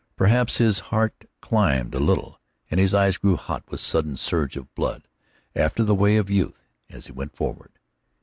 Perhaps his heart climbed a little, and his eyes grew hot with a sudden surge of blood, after the way of youth, as he went forward.